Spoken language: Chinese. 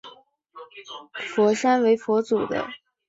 拜佛钳羊有尊崇佛山为祖庙的意义。